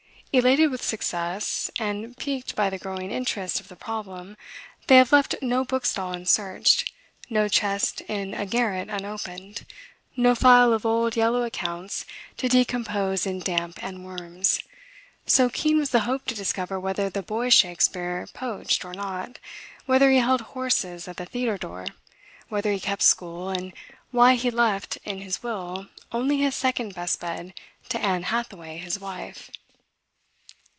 Elated with success, and piqued by the growing interest of the problem, they have left no book stall unsearched, no chest in a garret unopened, no file of old yellow accounts to decompose in damp and worms, so keen was the hope to discover whether the boy Shakspeare poached or not, whether he held horses at the theater door, whether he kept school, and why he left in his will only his second best bed to Ann Hathaway, his wife.